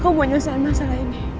aku mau nyelesain masalah ini